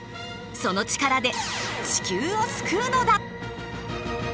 そのチカラで地球を救うのだ！